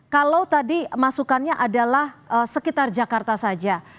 kalau tadi masukannya adalah sekitar jakarta saja